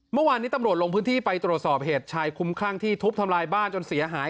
เมื่อวานนี้ตำรวจลงพื้นที่ไปตรวจสอบเหตุชายคุ้มคลั่งที่ทุบทำลายบ้านจนเสียหาย